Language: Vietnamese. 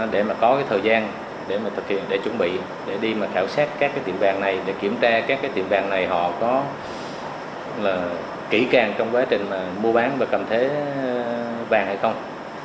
để có thời gian để chuẩn bị để đi khảo sát các tiệm vàng này để kiểm tra các tiệm vàng này có kỹ càng trong quá trình mua bán và cầm thế vàng hay không